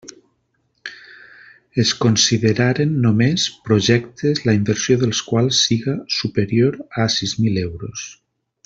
Es consideraren només projectes la inversió dels quals siga superior a sis mil euros.